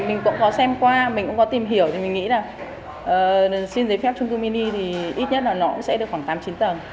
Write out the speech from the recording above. mình cũng có xem qua mình cũng có tìm hiểu thì mình nghĩ là xin giấy phép trung cư mini thì ít nhất là nó cũng sẽ được khoảng tám chín tầng